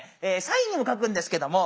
サインにも書くんですけども